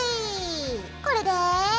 これで。